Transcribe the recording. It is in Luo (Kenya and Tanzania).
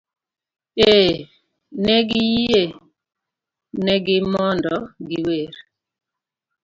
Ee, ne giyienegi mondo giwer.